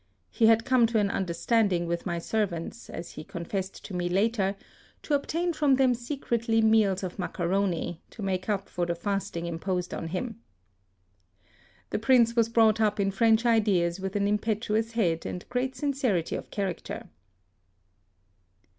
He had come to an understand ing with my servants, as he confessed to me later, to obtain fi'om them secretly meals of macaroni, to make up for the fasting im posed qn him. The Prince was brought up in French ideas with an impetuous head and great sincerity of character.